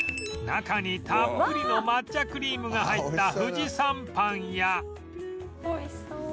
中にたっぷりの抹茶クリームが入った富士山パンや